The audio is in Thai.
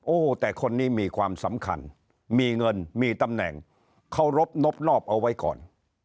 โอ้โหแต่คนนี้มีความสำคัญมีเงินมีตำแหน่งเคารพนบนอบเอาไว้ก่อน